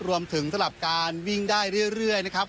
รวมถึงสลับการวิ่งได้เรื่อยนะครับ